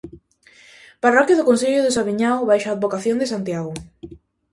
Parroquia do concello do Saviñao baixo a advocación de Santiago.